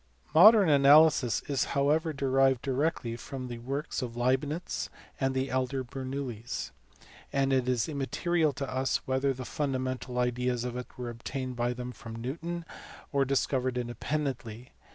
Modern analysis is however derived directly from the works of Leibnitz and the elder Bernoullis ; and it is immaterial to us whether the funda mental ideas of it were obtained by them from Newton, or discovered independently.